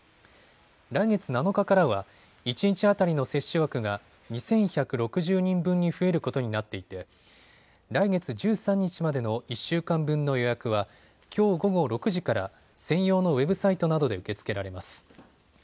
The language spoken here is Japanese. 来月７日からは一日当たりの接種枠が２１６０人分に増えることになっていて来月１３日までの１週間分の予約はきょう午後６時から専用のウェブサイトなどで受け付けられます。